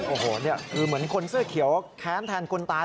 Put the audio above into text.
โอ้โหนี่คือเหมือนคนเสื้อเขียวแค้นแทนคนตาย